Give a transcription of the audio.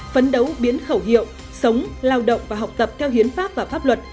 phấn đấu biến khẩu hiệu sống lao động và học tập theo hiến pháp và pháp luật